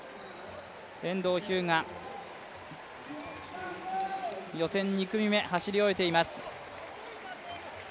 遠藤日向、予選２組目走り終えています。